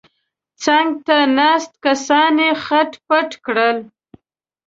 څنګ ته ناست کسان یې خت پت کړل.